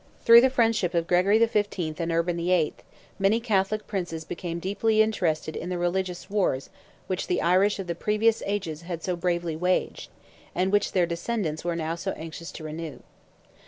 Through the friendship of Gregory XV. and Urban VIII., many Catholic princes became deeply interested in the religious wars which the Irish of the previous ages had so bravely waged, and which their descendants were now so anxious to renew.